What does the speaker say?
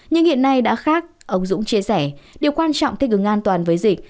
nhưng hiện nay đã khác ông dũng chia sẻ điều quan trọng thích ứng an toàn với dịch